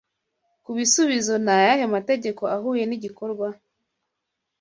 kubisubizo nayahe mategeko ahuye nigikorwa